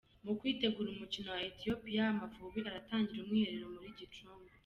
Mu kwitegura umukino na Ethiopia Amavubi aratangira umwiherero muri Gicumbi.